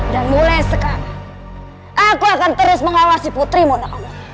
dan mulai sekarang aku akan terus mengawasi putri mona